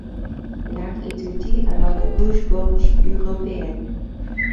Lack étudie alors le rouge-gorge européen.